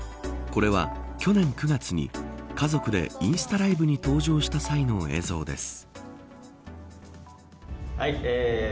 これは、去年９月に家族でインスタライブに登場した際の映像です。